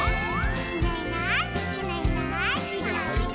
「いないいないいないいない」